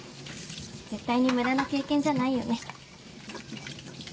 絶対に無駄な経験じゃないよね。